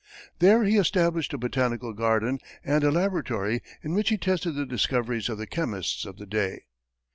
There he established a botanical garden and a laboratory in which he tested the discoveries of the chemists of the day.